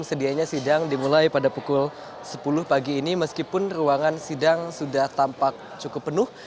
sedianya sidang dimulai pada pukul sepuluh pagi ini meskipun ruangan sidang sudah tampak cukup penuh